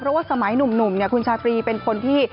เพราะว่าสมัยหนุ่มคุณชาตรีเป็นคนที่